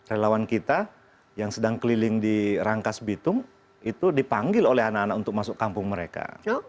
relawan kita yang sedang keliling di rangkas bitung itu dipanggil oleh anak anak untuk masuk kampung mereka